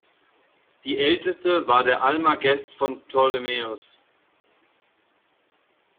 Die älteste war der Almagest von Ptolemäus.